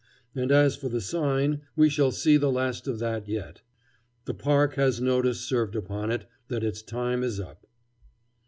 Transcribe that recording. And as for the sign, we shall see the last of that yet. The park has notice served upon it that its time is up.